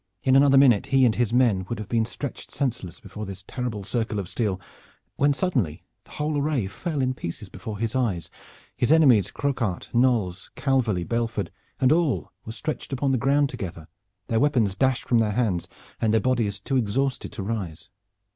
In another minute he and his men would have been stretched senseless before this terrible circle of steel, when suddenly the whole array fell in pieces before his eyes, his enemies Croquart, Knolles, Calverly, Belford, all were stretched upon the ground together, their weapons dashed from their hands and their bodies too exhausted to rise.